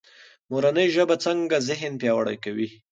مورنۍ ژبه څنګه ذهن پیاوړی کوي؟